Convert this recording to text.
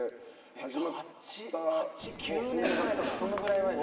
８９年前とかそのくらい前です。